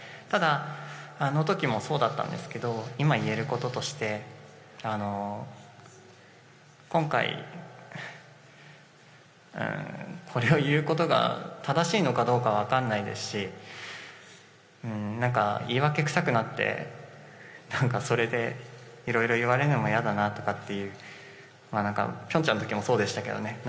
ただ、あの時もそうだったんですけど今、言えることとして今回、これを言うことが正しいのかどうかは分かんないですし言い訳くさくなってそれでいろいろ言われるのも嫌だなという平昌の時もそうでしたけどね。